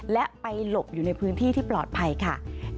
และไปหลบอยู่ในพื้นที่ที่ปลอดภัยค่ะ